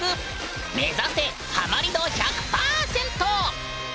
目指せハマり度１００％！